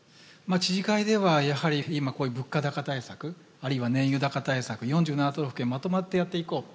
知事会ではやはり今こういう物価高対策あるいは燃油高対策４７都道府県まとまってやっていこう。